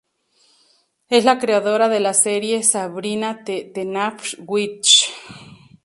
Es la creadora de la serie "Sabrina, the Teenage Witch".